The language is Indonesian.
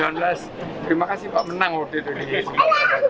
terima kasih pak menang waktu itu di sini